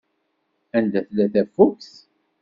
Anda tella tafukt?